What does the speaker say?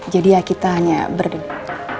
jadi ya kita hanya berdua